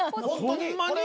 ホンマに？